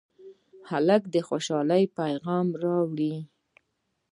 هلک د خوشالۍ پېغام راوړي.